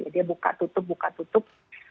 dia buka tutup buka tutup